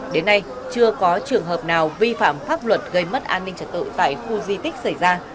đến nay chưa có trường hợp nào vi phạm pháp luật gây mất an ninh trật tự tại khu di tích xảy ra